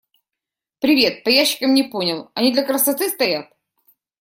Привет, по ящикам не понял, они для красоты стоят?